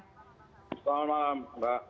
selamat malam mbak